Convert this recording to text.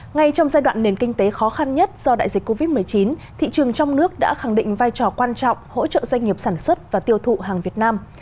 ngay trong giai đoạn nền kinh tế khó khăn nhất do đại dịch covid một mươi chín thị trường trong nước đã khẳng định vai trò quan trọng hỗ trợ doanh nghiệp sản xuất và tiêu thụ hàng việt nam